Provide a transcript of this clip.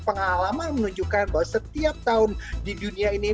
pengalaman menunjukkan bahwa setiap tahun di dunia ini